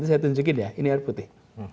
ini air putih